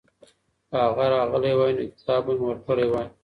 که هغه راغلی وای نو کتاب به مي ورکړی وای.